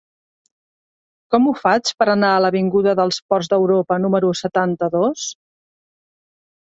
Com ho faig per anar a l'avinguda dels Ports d'Europa número setanta-dos?